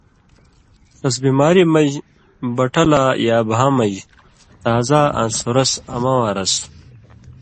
ݜس بیماری مژ بٹہ لا یا بھاں مژ تازا آں سُرسہۡ امہ واں رس